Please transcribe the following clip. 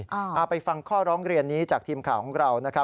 เอาไปฟังข้อร้องเรียนนี้จากทีมข่าวของเรานะครับ